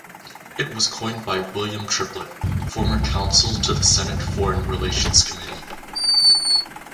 It was coined by William Triplett, former counsel to the Senate Foreign Relations Committee.